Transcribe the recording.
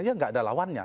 ya nggak ada lawannya